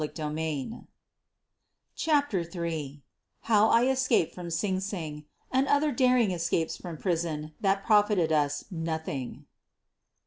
62 SOPHIE LYONS CHAPTER III HOW I ESCAPED FROM SING SING, AND OTHER DARING ESCAPES FROM PRISON THAT PROFITED US NOTHING.